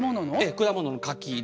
果物の柿ですね。